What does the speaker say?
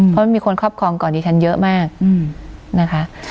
เพราะมันมีคนครอบครองก่อนดิฉันเยอะมากนะคะ